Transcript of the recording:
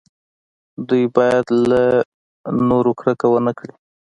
دوی باید له نورو کرکه ونه کړي.